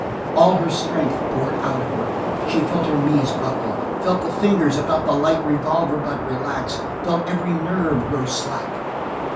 All her strength poured out of her. She felt her knees buckle, felt the fingers about the light revolver butt relax, felt every nerve grow slack.